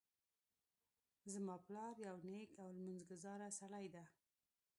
زما پلار یو نیک او لمونځ ګذاره سړی ده